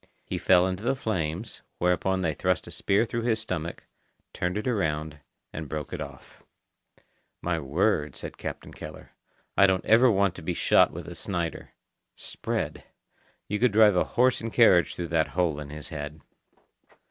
He fell into the flames, whereupon they thrust a spear through his stomach, turned it around, and broke it off. "My word," said Captain Keller, "I don't want ever to be shot with a Snider. Spread! You could drive a horse and carriage through that hole in his head."